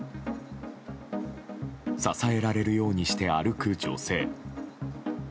支えられるようにして歩く女性。